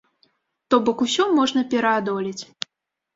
То бок усё можна пераадолець.